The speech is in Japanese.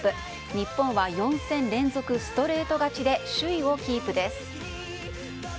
日本は４戦連続ストレート勝ちで首位をキープです。